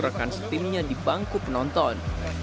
rekan setimnya dibangku penonton